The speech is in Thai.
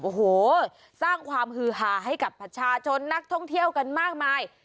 โอ้โหสร้างความฮือหาให้กับประชาชนนักท่องเที่ยวกันมากมาย